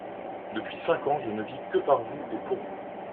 Depuis cinq ans, je ne vis que par vous et pour vous.